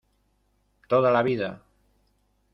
¡ toda la vida!...